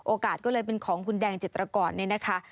ก็เลยเป็นของคุณแดงจิตรกรเนี่ยนะคะ